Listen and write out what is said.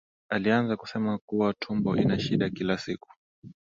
Alianza kusema kuwa tumbo ina shida kila usiku.